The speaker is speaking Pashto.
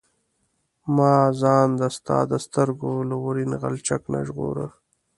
ما ځان د ستا د سترګو له اورین غلچک نه ژغوره.